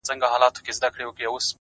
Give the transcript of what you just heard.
زما د سيمي د ميوند شاعري _